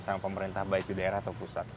sama pemerintah baik di daerah atau pusat